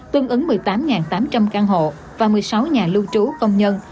tương ứng một mươi tám tám trăm linh căn hộ và một mươi sáu nhà lưu trú công nhân